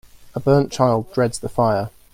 A burnt child dreads the fire.